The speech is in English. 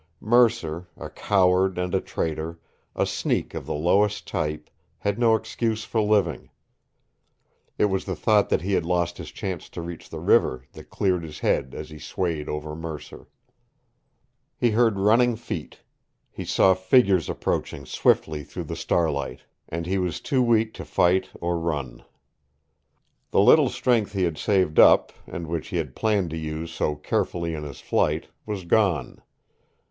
Mercer, a coward and a traitor, a sneak of the lowest type, had no excuse for living. It was the thought that he had lost his chance to reach the river that cleared his head as he swayed over Mercer. He heard running feet. He saw figures approaching swiftly through the starlight. And he was too weak to fight or run. The little strength he had saved up, and which he had planned to use so carefully in his flight, was gone.